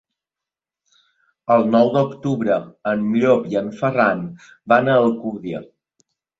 El nou d'octubre en Llop i en Ferran van a Alcúdia.